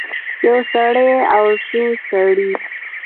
یو سړی او څو سړي